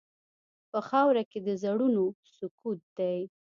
په خاوره کې د زړونو سکوت دی.